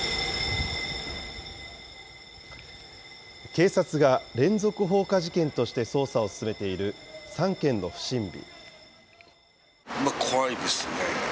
警察が連続放火事件として捜査を進めている３件の不審火。